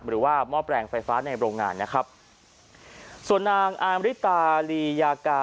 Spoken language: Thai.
หม้อแปลงไฟฟ้าในโรงงานนะครับส่วนนางอามริตาลียากา